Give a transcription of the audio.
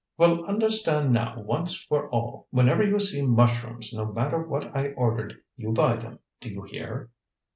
"Well, understand now, once for all: whenever you see mushrooms, no matter what I ordered, you buy them. Do you hear?"